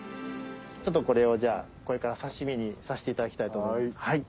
これをこれから刺し身にさせていただきたいと思います。